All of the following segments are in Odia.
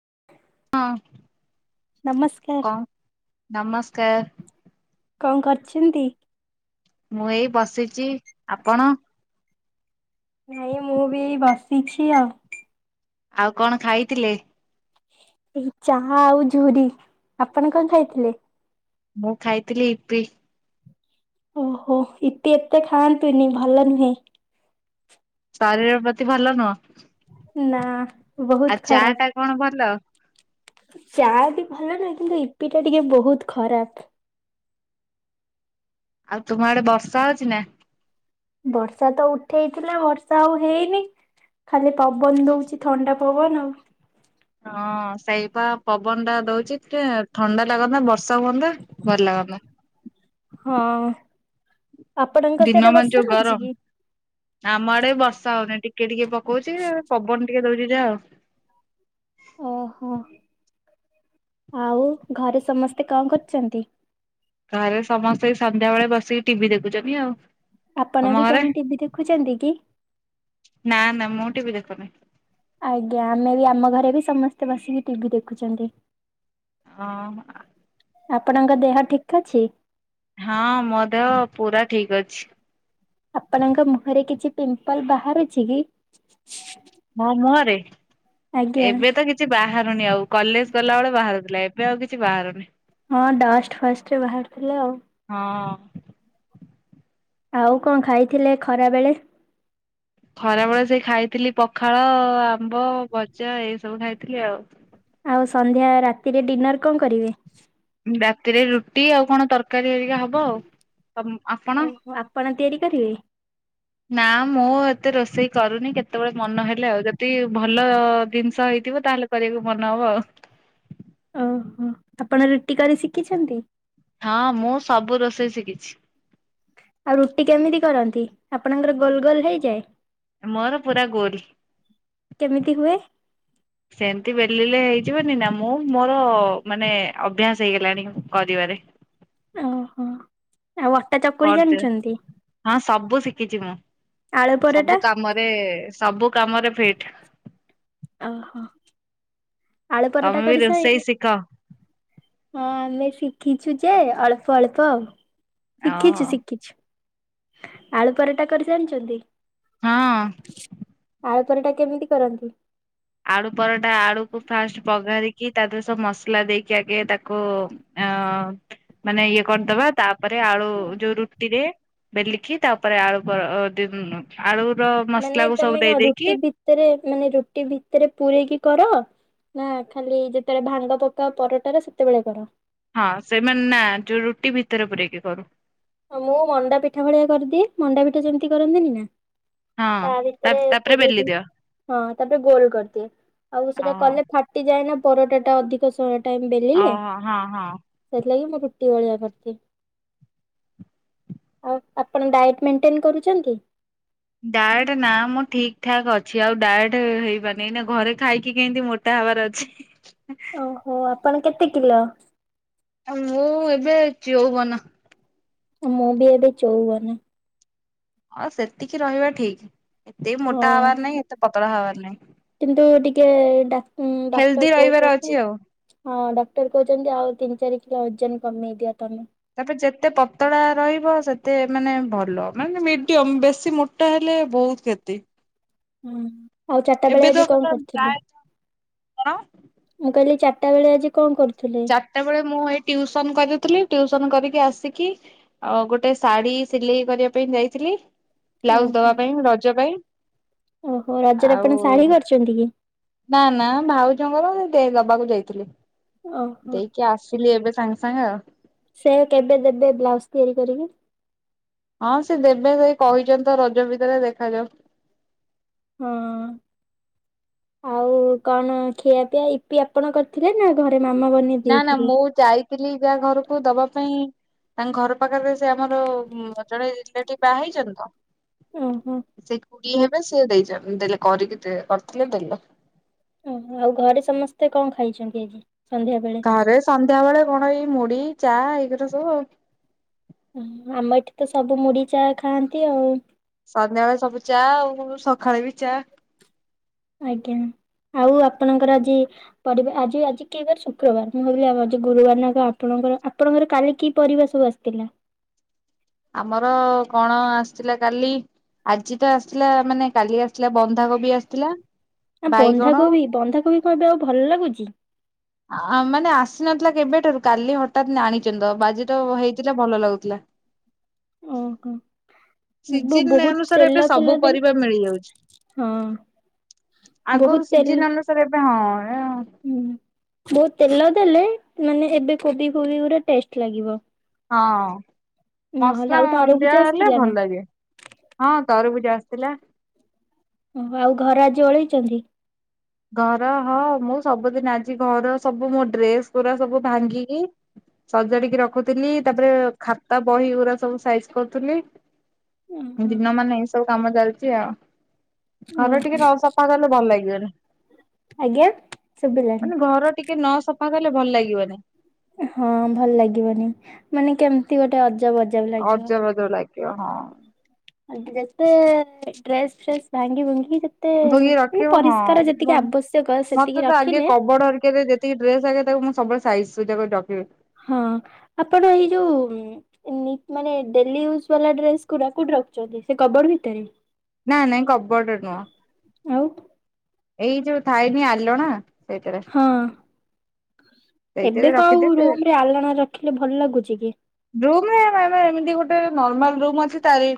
[inaudible] ହଁ। ନମସ୍କାର କଣ ନମସ୍କାର କଣ କରୁଛନ୍ତି? ମୁଁ ଏଇ ବସିଛି ଆପଣ ନାଇଁ ମୁଁ ବିଇ ବାସିଛି ଆଉ। ଆଉ କଣ ଖାଇଥିଲେ? ଏଇ ଚା ଆଉ ଝୁରୀ ଆପଣ କଣ ଖାଇଥିଲେ? ମୁଁ ଖାଇଥିଲି ଇପି ଓହୋ ଇତି ଏତେ ଖାଆନ୍ତିନି ଭଲ ନୁହେଁ। ଶରୀର ପ୍ରତି ଭଲ ନୁହଁ। ନା ବହୁତ ଆଉ ଚା ଖରାପ। ଟା କଣ ଭଲ? ଚା ବି ଭଲ ନାହିଁ କିନ୍ତୁ ଇପି ଟା ଟିକେ ବହୁତ ଖରାପ। ଆଉ ତୁମ ଆଡେ ବର୍ଷା ହଉଛି ନା? ବର୍ଷା ତ ଉଠେଇଥିଲା ବର୍ଷା ଆଉ ହେଇନି ଖାଲି ପବନ ଦଉଛି ଥଣ୍ଡା ପବନ ଆଉ। ହଁ ସେଇପା ପବନ ଟା ଦଉଛି ଟା ଥଣ୍ଡା ଲାଗନ୍ତା ବ ବର୍ଷା ହୁଅନ୍ତା ଭଲ ଲାଗନ୍ତା। ହଁ ଆପଣଙ୍କ ସେଆଡେ ଦିନ ମାନ ବର୍ଷା ଯୋଉ ହଉଛି ଗରମ। କି? ଆମ ଆଡେ ବି ବର୍ଷା ହଉନି ଟିକେ ଟିକେ ଟିକେ ପକଉଛି ପବନ ଟିକେ ଦଉଛି ଯାହା ଆଉ। ଓହୋ ଆଉ ଘରେ ସମସ୍ତେ କଣ କରୁଚନ୍ତି? ଘରେ ସମସ୍ତେ ସନ୍ଧ୍ୟାବେଳେ ବସିକି ଟିଭି ଦେଖୁଛନ୍ତି ଆଉ। ଆପଣ ତମ ବି ଘରେ କଣ ଟିଭି ଦେଖୁଛନ୍ତି କି? ନା ନା ମୁଁ ଟିଭି ଦେଖୁନି। ଆଜ୍ଞା ଆମେ ବି ଆମ ଘରେ ବି ସମସ୍ତେ ବସିକି ଟିଭି ଦେଖୁଛନ୍ତି। ହଁ ଆପଣଙ୍କ ଦେହ ଠିକ ଅଛି? ହଁ ମୋ ଦେହ ପୁରା ଠିକ ଅଛି। ଆପଣଙ୍କ ମୁହଁରେ କିଛି ପିମ୍ପଲ ବାହାରୁଚି କି? ମୋ ମୁହଁରେ? ଆଜ୍ଞା ଏବେ ତ କିଛି ବାହାରୁନି ଆଉ କଲେଜ ଗଲାବେଳେ ବାହାରୁଥିଲା ଏବେ ଏବେ ଆଉ କିଛି ବାହାରୁନି। ହଁ ଡଷ୍ଟ ଫଷ୍ଟରେ ବାହାରୁଥିଲା ଆଉ। ହଁ। ଆଉ କଣ ଖାଇଥିଲେ ଖରା ବେଳେ? ଖରାବେଳେ ସେଇ ଖାଇଥିଲି ପଖାଳ, ଆମ୍ବ, ଭଜା ଏଇ ସବୁ ଖାଇଥିଲି ଆଉ। ଆଉ ସନ୍ଧ୍ୟା ରାତିରେ ଡିନର କଣ କରିବେ? ରାତିରେ ରୁଟି ଆଉ କଣ ତରକାରୀ ହେରିକା ହବ ଆଉ। ତମ୍ ଆପଣ ଓହୋ ଆପଣ ତିଆରି କରିବେ ନା ମୁଁ ମୁଁ ତ ରୋଷେଇ କରୁନି କେତେବେଳେ ମନ ହେଲେ ଆଉ ଯଦି ଭଲ ଦିନିଷ ହେଇଥିବ ତାହେଲେ କରିବାକୁ ମନ ହବ ଆଉ। ଓହୋ ଆପଣ ରୁଟି କରି ଶିଖିଛନ୍ତି? ହଁ ମୁଁ ସବୁ ରୋଷେଇ ଶିଖିଛି । ଆଉ ରୁଟି କେମିତି କରନ୍ତି ଆପଣଙ୍କର ଗୋଲ ଗୋଲ ହେଇଯାଏ? ମୋର ପୁରା ଗୋଲ କେମିତି ହୁଏ? ସେମିତି ବେଲିଲେ ହେଇଯିବନି ନା। ମୁଁ ମୋର ମାନେ ଅଭ୍ୟାସ ହେଇଗଲାଣି କରିବାରେ । ଓ ହୋ। ଆଉ ଅଟା ଚକୁଳି କରିଦେ ଜାଣିଚନ୍ତି? ହଁ ସବୁ ଶିଖିଛି ମୁଁ । ସବୁ କାମରେ ସବୁ କାମରେ ଫିଟ୍ ଓହୋ। ଆଳୁ ପରଟା ତମେ ବି କରି ସାଇ ରୋଷେଇ ଶିଖ। ହଁ ଆମେ ଶିଖିଛୁ ଯେ ଅଳ୍ପ ଅଳ୍ପ ଆଉ ଶିଖିଛି ଶିଖିଛି। ଆଳୁ ପରଟା କରି ଜାଣିଛନ୍ତି। ହଁ। ଆଳୁ ପରଟା କେମିତି କରନ୍ତି? ଆଳୁ ପରଟା ଆଳୁ କୁ ଫାଷ୍ଟ୍ ପଘାରି କି ତା ଦେହରେ ସବୁ ମସଲା ଦେଇକି ଆଗେ ତାକୁ ଅଁ ମାନେ ଇଏ କରିଦବା ତା ତା ପରେ ଆଳୁ ଯୋଉ ରୁଟି ରେ ବେଲିକି ତାପରେ ଆଳୁ ପ ଅ [unintelligible] ଆଳୁ ମାନେ ତମେ କଣ ରୁଟି ଭିତରେ ମାନେ ଯୋଉ ରୁଟି ଭି ଭିତରେ ପୁରରେଇକି କର ନା ଖାଲି ଯେତେବେଳେ ଭାଙ୍ଗ ପକାଅ ପରଟାରେ ସେତେବେଳେ କର। ହଁ ସେମାନେ ନା ଯୋଉ ରୁଟି ଭିତ୍ ଭିତରେ ପୁରେଇକି କରୁ। ମୁଁ ମଣ୍ଡା ପିଠା ଭଳିଆ କରିଦିଏ ମଣ୍ଡା ପିଠା ଯେମିତି କରନ୍ତିନି ନା ହଁ ତା ଭିତରେ ତାପରେ ପୁରେଇ ବେଲି ଦେଇ ଦିଅ ହଁ ତାପରେ ଗୋଲ କରିଦିଏ ଆଉ ଓ ସେଟା କଲେ ଫାଟିଯାଏ ନା ପରଟାଟା ଅଧିକ ସମ [inaudible] ହଉ ହଁ ହଁ ହଁ। କଟି ଭଳିଆ କରଛି। ଆଉ ଆପଣ ଡାଏଟ ମେଣ୍ଟେନ କରୁଛନ୍ତି? ଡାଏଟ ନା ମୁଁ ଠିକ ଠାକ ଅଛି। ଆଉ ଡାଏଟ ହେଇପାରନି ନା ଘରେ ଖାଇକି କେମତି ମୋଟା ହେବାର ଅଛି। ଓହୋ ଆପଣ କେତ କେତେ କିଲ? ଆ ମୁଁ ଏବେ ଚଉବନ । ମୁଁ ବି ଏବେ ଚଉବନ । ହଁ ସେତିକି ରହିବା ଠିକ। ଏତେ ମୋଟା ହଁ। ହବାର ନାଇଁ ଏତେ ପ ପତଳା ହେବାର ନାଇଁ। କିନ୍ତୁ ଟିକେ ଡାକ୍ତ ଡାକ୍ଟର ହେଲ୍ଦି ରହିବାର ଅଛି କହୁଛନ୍ତି, ଆଉ। ହଁ ଡକ୍ଟର କହୁଛନ୍ତି ଆଉ ତିନି ଚାରି କି ଓଜନ କମେଇ ଦିଅ ତମେ । ତାପରେ ଯେତେ ପତଳା ରହିବ, ସେତେ ମାନେ ଭଲ ମାନେ ମିଡିୟମ ବେଶୀ ମୋଟା ହେଲେ ବହୁତ କ୍ଷତି। ହୁଁ। ଆଉ ଚାରଟା ବେଳେ ଏବେ ଆଜି ତ କଣ ପୁରା କରୁଥିଲେ? ପ୍ରାୟ କଣ [inaudible] ମୁଁ କହିଲି ଚା ସକାଳେ ଆଜି କଣ କରୁ ଚାରିଟା ବେଳେ ମୁଁ ଏଇ ଟିଉସନ କରୁଥିଲି। ଟିଉସନ କରିକି ଆସିକି ଗୋଟେ ଶାଢୀ ସିଲେଇ କରିବା ପାଇଁ ଯାଇଥିଲି, ବ୍ଲାଉଜ ଓହୋ ଦବା ପାଇଁ ରଜ ପାଇଁ। ଓହୋ ରଜରେ ଆପଣ ଆଉ ଶାଢ଼ୀ କରିଛନ୍ତି କି? ନା ନା ଭାଉଜଙ୍କର ଦବାକୁ ଯାଇଥିଲି। ଓହୋ। ଦେଇକି ଆସିଲି, ଏବେ ସାଙ୍ଗେ ସା ସାଙ୍ଗ । ସେ କେବେ ଦେବେ ବ୍ଲାଉଜ ତିଆରି କରିକି? ହଁ ସେ ଦେବେ ସେଇ କହିଛନ୍ତି ତ ରଜ ଭିତରେ ଦେଖାଯାଉ। ହଁ [inaudible] ଆଉ କଣ ଖିଆପିଆ ଇିପି ଆପଣ କରିଥିଲେ ନା ଘ ମାମା ବନେଇ ଦେଇଥିଲେ। ଯାଇ ଥିଲି ଘରକୁ ଦବା ପାଇଁ ତାଙ୍କ ଘର ପାଖରେ ସେ ଆମର ଜଣେ ଲେ ବାହା ହେଇଚନ୍ତି ତ। ଓହୋ [inaudible] ସେ କିଏ ହେବେ ସି ଦେଇ ଦେଲେ କରିକି କରିଥିଲେ ଦେଲ। ଆଉ ଘରେ ସମସ୍ତେ କଣ ଖାଇଛନ୍ତି ଆଜି? ସନ୍ଧ୍ୟା ବେଳେ? ଘରେ ସନ୍ଧ୍ୟା ବେଳେ କଣ ଏଇ ମୁଢି ଚା ଏଇ ସବୁ ଓ ଆମ ଏଠି ତ ସବୁ ମୁଢି ଚା ଖାଆନ୍ତି ଆଉ। ସନ୍ଧ୍ୟାବେେଳେ ସବୁ ଚା ଆଉ ସକାଳେ ବି ଚା। ଆଜ୍ଞା ଆଉ ଆପଣଙ୍କର ଆଜି ପରିବା ଆଜି ଆଜି କେଇ ବାର ଶୁକ୍ରବାର। ମୁଁ ଭାବିଲି ଆ ଗୁରୁବାର ନାକ ଆପଣଙ୍କର ଆପଣଙ୍କର କାଲି କି ପରିବା ସବୁ ଆସିଥିଲା? [inaudible] ଆମର କଣ ଆସିଥିଲା କାଲି ଆଜି ତ ଆସିଥିଲା ମାନେ କାଲି ଆସିଲା ବନ୍ଧାକୋବି ଆସିଥିଲା। ବାଇଗଣ ବନ୍ଧାକୋବି ବନ୍ଧାକୋବି ଏବେ ଆଉ ଭଲ ଲାଗୁଛି। ମାନେ ଆସିନଥିଲା କେବେଠାରୁ କାଲି ହଠାତ୍ ଆଣିଛନ୍ତି ଆଜି ତ ହେଇଥିଲା ଭଲ ଲାଗୁଥିଲା। ଓହୋ। ବ ସିଜିନ୍ ବହୁତ ଅନୁସାରେ ତେଲ ଏବେ ଫେଲ ସବୁ ଦେଲେ ପରିବା ମିଳିଯାଉଛି ହଁ ବହୁତ ଆଗରୁ ତେଲ ସିଜିନ୍ ଅନୁସାରେ ଏବେ ହଁ ହୁଁ ବହୁତ ତେଲ ଦେଲେ ମାନେ ଏବେ କୋବି ଫୋବି ପୁରା ଟେଷ୍ଟ୍ ଲାଗିବ। ହଁ। ନହେଲେ ମସଲା ଆଉ ତରଭୁଜ ଦିଆହେଲେ ଆସିଥିଲା ନା ଭଲ ଲାଗେ ହଁ ତରବୁଜ ଆ ଥିଲା। ଓ ଆଉ ଘର ଆଜି ଓଳେଇଚନ୍ତି। ଘର ହଁ ମୁଁ ସବୁଦିନ ଆଜି ଘର ସବୁ ମୋ ଡ୍ରେସ୍ ଗୁରା ସବୁ ଭାଙ୍ଗିକି ସଜାଡ଼ିକି ରଖୁଥିଲି ତାପରେ ଖାତା ବହି ଗୁରା ସବୁ ସାଇଜି କରୁଥିଲି। ଓହୋ ଦିନ ମାନେ ଏଇ ସବୁ କାମ ଚାଲି [unintelligible] ଓହୋ ଘର ଟିକେ ନ ସଫା କଲେ ଭଲ ଲାଗିବନି। ଆଜ୍ଞା ଶୁଭିଲାଣିି। ମାନେ ଘର ଟିକେ ନ ସଫା କଲେ ଭଲ ଲାଗିବନି ହଁ ଭଲ ଲାଗିବନି। ମାନେ କେମିତି ଗୋଟେ ଅ ମଜା ଅଜବ ଲାଗିବ କ ହଁ। ଯେତେ ଡ୍ରେସ୍ ଫ୍ରେସ୍ ଭାଙ୍ଗି ଭୁଙ୍ଗି ଯେତେ ଭୋଗି ମାନେ ରଖିବ ହଁ ପରିଷ୍କାର ଯେତିକି ଆବଶ୍ୟକ ସେତିକି ମତେ ତ ଆଗେ ରଖିଲେ କବଡ ହରିକରେ ଯେତିକି ଡ୍ରେସ୍ ଆଗେ ତାକୁ ମୁଁ ସବୁବେଳେ ସାଇଜସୂଜା କରି ହଁ ଆପଣ ଏଇ ଯୋଉ ମାନେ ଡେଲି ଇଉଜ୍ ଡେସ୍ ଗୁଡା କୋଉଠି ରଖୁଛନ୍ତି ସେ କବଡ ଭିତରେ। ନା ନାଇଁ କବୋର୍ଡ ରେ ନୁହଁ। ଆଉ। ଏଇ ଯୋଉ ଥାଇନି ଆଲୋଣା ସେଇଥିରେ ହଁ ସେଇଥିରେ ଏବେ କଉ ରଖିଦେବି ରୁମରେ ଆଲାଣା ରଖିଲେ ଭଲ ଲାଗୁଛି କି। ଏମତି ଗୋଟେ ନମାର୍ଲ ରୁମ୍ ଅଛି ତାର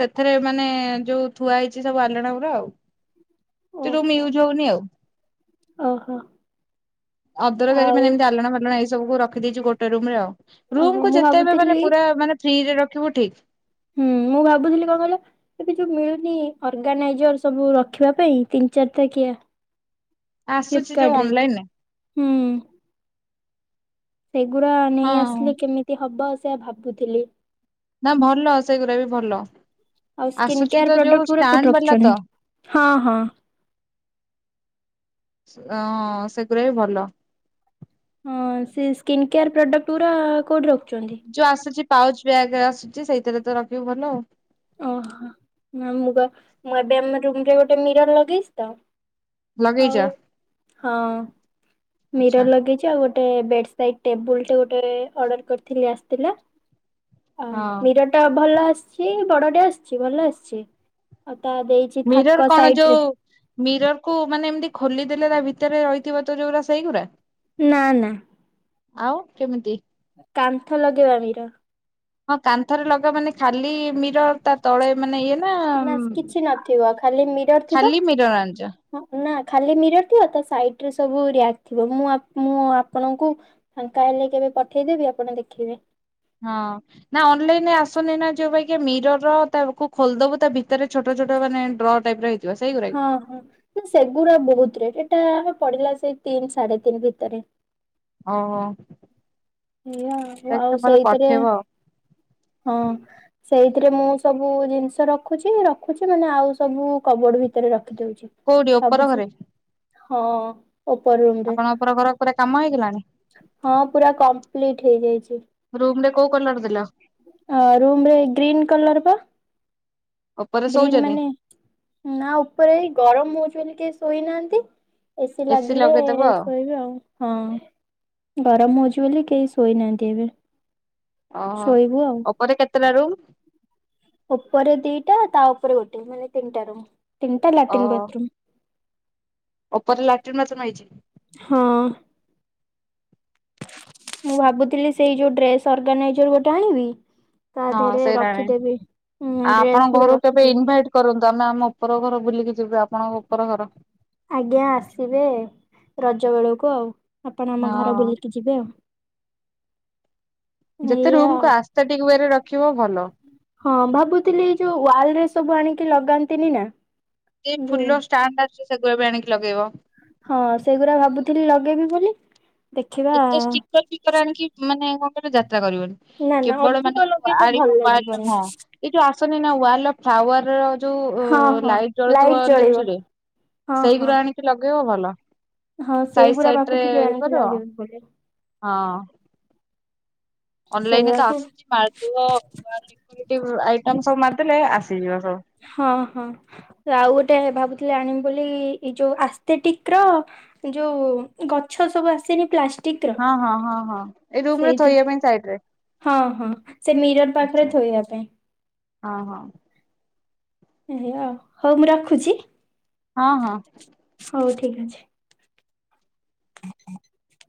ସେଥିରେ ମାନେ ଯୋଉ ଥୁଆ ହେଇଛି ସବୁ ଆଲଣ ଗୁଡା ଆଉ ତ ରୁମେ ଓହୋ ଏଉ ଯାଉ ନାଇ ଆଉ ଓହୋ ଅଦରକାରୀ ଆଉ ମାନେ ଏମତି ଆଲନା ମାଲଣ ହେଇଛି ସବୁ ରଖିଦେଇଛୁ ଗୋଟେ ରୁମ୍ ରେ ଆଉ ଓହୋ ରୁମକୁୁ ମୁଁ ଯେତେବେ ମାନେ ଭାବୁଥିଲି ପୁରା ମାନେ ଫ୍ରିରେ କେଉୁ ଠିକ୍ ହୁଁ ମୁଁ ଭାବୁଥିଲି କଣ କହିଲ ଏବେ ଯୋଉ ମିଳୁନି ଅର୍ଗାନାଇଜର ସବୁ ରଖିବା ପାଇଁ ତିନି ଚାରିଟ କିିଆ ଆସୁଛି ଯୋଉ ଫ୍ଲିପକାର୍ଟ ରରେ ଅନଲାଇନରେ ହୁଁ। ସେଗୁଡ଼ା ନେଇ ହଁ ଆସିଲେ କେମିତି ହବ। ସେ ଭାବୁଥିଲି ନା ଭଲ ସେଗୁଡା ବି ଭଲ ଆଉ ସ୍କିନ୍ ଆସୁଛି କେୟାର ତ ଯୋଉ ପ୍ରଡକ୍ଟ ଗୁରା କୋଉଠି ଷ୍ଟାଣ୍ଡ ବାଲା ରଖିଛନ୍ତି? ତ। ହଁ ହଁ। ହ ସେଗୁଡା ବି ଭଲ। ହଁ ସେ ସ୍କିନ୍ କେୟାର ପ୍ରଡକ୍ଟ ପୁରା କୋଉଠି ରଖଛି। ଯୋଉ ଆସୁଛି। ପାଉଚ ବ୍ୟାଗରେ ଆସୁଛି ସେଇଥିରେ ତ ରଖିବୁ ଭଲ ଆଉ। ଓହୋ ମୁ ମୁଁ ଏବେ ଆମ ରୁମରେ ଗୋଟେ ମିରର ଲଗେଇଛି ତ। ଲଗେଇଛ? ଆଉ ହଁ ଆଚ୍ଛା ମିରର ଲଗେଇଛି ଆଉ ଗୋଟେ ବେ ସେଇ ଟେବୁଲରେ ଗୋଟ ଅଡର କରିଥିଲି ଆସିଥିଲା। ହ ହଁ ମୀରର ଟା ଭଲ ଅଛି। ସେ ବଡଟେ ଆସିଛି ଭଲ ଆସିଛି ଆଉ। ତା ଦେଇଛି ମିରର୍ ଥାକ କଣ ସାଇଡ ରେ ଯୋଉ ମିରର୍ କୁ ମାନେ ଏମିତି ଖୋଲିଦେଲେ ତା ଭିତରେ ରହିଥିବ ତ ଯୋଉଗା ସେଇଗୁୁରା ନା ନା। ଆଉ କେମିତି କାନ୍ଥ ଲଗେଇବାମର। ହଁ କାନ୍ଥରେ ଲଗା ମାନେ ଖାଲି ର ତା ତଳେ ମାନେ ଇଏ ନା କିଛି ନଥିବ ଖାଲି ମିରର ଥିବ। ଖାଲି ମିରର ଆଣିଛ। ନା ଖାଲି ମିରର ଥିବ ତା ସାଇଟ ରେ ସବୁ ରିଆଟ ଥିବା ମୁଁ ଆପଣଙ୍କୁ ଫାଙ୍କା ହେଲେ କେବେ ପଠେଇଦବି ଆପଣ ଦେଖିବେ। ହଁ ନା ଅନଲାଇନରେ ଆସୁନି ନା ଯୋଉ ପାଇଁ ମିରରର ତାକୁ ଖୋଲିଦବୁ ତା ଭିତରେ ଛୋଟ ଛୋଟ ମାନେ ଡ୍ର ଟାଇପ ର ହେଇଥିବ। ସେଇଗୁରା କି? ହଁ ହଁ ସେଗୁଡା ବହୁତ ରେ ସେଟା ଆମେ ପଡିଲା ସେଇ ତିନି ସାଢେ ତିନି ଭିତରେ ଓ ହୋ ଆଆ ଆଉ ସେଇଥିରେ ହଁ। ସେଇଥିରେ ମୁଁ ସବୁ ଜିନିଷ ରଖୁଛି ରଖୁଛି ମାନେ ଆଉ ସବୁ କବଡ ଭିତରେ ରଖ କୋଉଠି ଉପର ଘରେ ହଁ ଉପର ରୁମ ରେ ଆପଣଙ୍କ ଉପର ଘର ପୁରା କାମ ହେଇଗଲାଣି ହଁ ପୁରା କମ୍ପ୍ଲିଟ ହେଇଯାଇଛି ରୁମ କୋଉ କଲର୍ ଦେଲ ରୁମ ରେ ଗ୍ରୀନ୍ କଲର ବା ଉପରେ ଗ୍ରୀନ୍ ଶୋଉଛନ୍ତି? ମାନେ ନା ଉପରେ ଏଇ ଗରମ ହଉ ସେଠି କିଏ ଶୋଇନାହାନ୍ତି। ଏସି ଏସିି ଲାଗିଲେ ଲଗେଇଦବ ଆଉ ଶୋଇବେ ଆଉ ହଁ ଗରମ ହଉଛି ବୋଲି କେ କେହି ସୋଇନାନ୍ତି ଏବେ ଓହୋ ଶୋଇବୁ ଆଉ ଉପରେ କେତେ ତି ଟା ରୁମ୍। ଉପରେ ଦିଟା ତା ଉପରେ ଗୋଟେ ମାନେ ତିନି ଟା ରୁମ୍। ତିନିଟା ଲାଟ୍ରିନ୍ ବାଥରୁମ୍। ଉପପର ଲାଟ୍ରନ୍ ମାତ୍ର ହଁ ନାହିଛି ମୁଁ ଭାବୁଥିଲି ସେଇ ଯୋଉ ଡ୍ରେସ ଅର୍ଗାନାଇଜର ଗୋଟେ ଆଣିବି ତା ହଁ ଦେହରେ ସେଇଟାଣି ରଖିଦେବି। ହୁଁ ଆଉ ଡ୍ରେସ ଆପଣ ଗୁଡା ଘରୁ କେବେ ରଖିଦେବି ଇନଭାଇଟ କରନ୍ତୁ ଆମେ ଆମ ଉପର ଘର ବୁଲିକି ଯିବେ ଆପଣଙ୍କ ଉପର ଘର ଆଜ୍ଞା ଆସିବେ ରଜ ବେଳକୁ ଆଉ ଆପଣ ଆମ ଘର ହଁ ବୁଲିକି ଯିବେ ଆଉ ଯେତେ ଏଇଆ ରୁମ ଆଉ କ ଆସ୍ତା ଟିକ ୱେ ର ଦେଖିବ ଭଲ। ହଁ ଭାବୁଥିଲି ଏଇ ଯୋଉ ୱାଲ ରେ ସବୁ ଆଣିକି ଲଗାନ୍ତିନି ନା ଏଇ ଯୋଉ ଫୁଲଷ୍ଟାଣ୍ଡ ସେଗୁଆ ବି ଆଣିକି ଲଗେଇବ ହଁ ସେଗୁଡା ଭାବୁଥିଲି ଲଗେଇବି ବୋଲି ଦେଖିବା ଏତେ ଷ୍ଟିକର ଫିକର ଆଣିକି ମାନେ ଯା ତ୍ରା କରିବନି ନା ନା କେବଳ ଅଧିକ ମାନେ ଯୋ ଲଗେଇଲେ ଭଲ ଆଣିବ ହଁ ଲାଗିବନି ଏ ଯୋଉ ଆସନି ନାୱ ଫ୍ୱାୱାର ର ଯୋଉ ହଁ ହଁ ଲାଇଟ୍ ଜଳୁଥିବ ଜଳିବ ଲିଚୁରେ ହଁ ହଁ ସେଇଗୁରା ଆଣିକି ଲଗେଇବ ଭଲ ଲ ହଁ ସେଇଗୁଡା ଭାବୁଥିଲି ଆଣିକି ଲଗେଇବି ବୋଲି। ହଁ ଅନଲାଇନ ତ ସେଇଆକୁ ଆସୁଛି ମାରି ଦବ ଯୋ ଆଇଟମ ସବୁ ମା ହଁ ହଁ ଆଉ ଗୋଟେ ଭାବୁ ଆଣିବ ବୋଲି ଏ ଯୋଉ ଆସ୍ତେଟିକ ର ଯୋଉ ଗଛ ସବୁ ଆସନି ପ୍ଲାଷ୍ଟିକ ର ହଁ ହଁ ହଁ ହଁ ଏଇ ରୁମ ର ସେଇଥିରୁ ଥୋଇବା ପାଇଁ ସାଇଡ ରେ ହଁ ହଁ, ସେ ମିରର ପାଖରେ ଆଚ୍ଛା ଥୋଇବା ପାଇଁ ହଁ ହଁ, ହଉ ମୁଁ ରଖୁଛି, ହଁ ହଁ, ହଉ ଠିକ୍ ଅଛି। ହ ହ [inaudible]